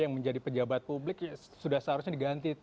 yang menjadi pejabat publik sudah seharusnya diganti